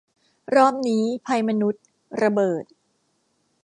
รอบนี้ ภัยมนุษย์ ระเบิด